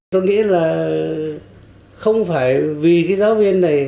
tôi nghĩ là không phải vì cái giáo viên này